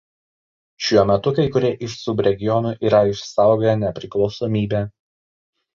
Šiuo metu kai kurie iš subregionų yra išsaugoję nepriklausomybę.